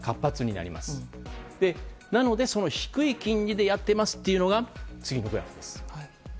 なのでその低い金利でやってますというのが次のグラフです。